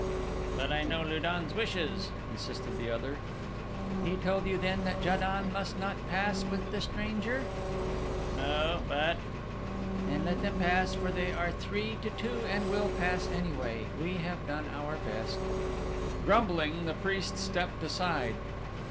"But I know Lu don's wishes," insisted the other. "He told you then that Ja don must not pass with the stranger?" "No but " "Then let them pass, for they are three to two and will pass anyway we have done our best." Grumbling, the priest stepped aside.